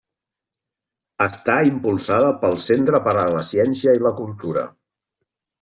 Està impulsada pel Centre per a la Ciència i la Cultura.